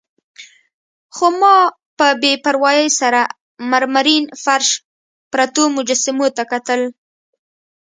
خو ما په بې پروايي سره مرمرین فرش، پرتو مجسمو ته کتل.